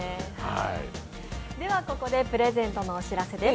ここでプレゼントのお知らせです。